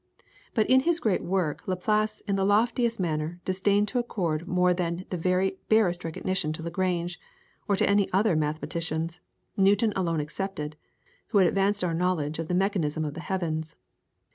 But in his great work Laplace in the loftiest manner disdained to accord more than the very barest recognition to Lagrange, or to any of the other mathematicians, Newton alone excepted, who had advanced our knowledge of the mechanism of the heavens.